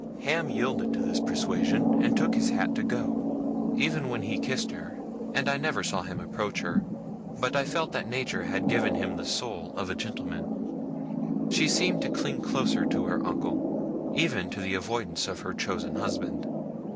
Ham yielded to this persuasion, and took his hat to go. Even when he kissed her and I never saw him approach her, but I felt that nature had given him the soul of a gentleman she seemed to cling closer to her uncle, even to the avoidance of her chosen husband.